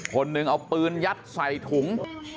คนหนึ่งเอาปืนยัดใส่ถุง